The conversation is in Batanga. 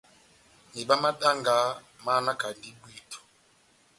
Mihiba má danga máhanakandi bwíto.